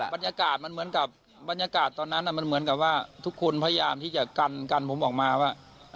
บรรยากาศมันเหมือนกับบรรยากาศตอนนั้นมันเหมือนกับว่าทุกคนพยายามที่จะกันผมออกมาว่า